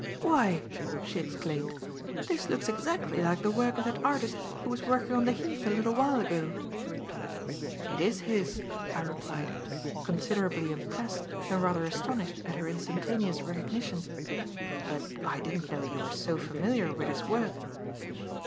"Why," she exclaimed, "this looks exactly like the work of that artist who was working on the Heath a little while ago." "It is his," I replied, considerably impressed and rather astonished at her instantaneous recognition; "but I didn't know you were so familiar with his work."